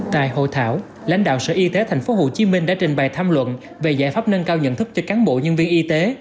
tại hội thảo lãnh đạo sở y tế tp hcm đã trình bày tham luận về giải pháp nâng cao nhận thức cho cán bộ nhân viên y tế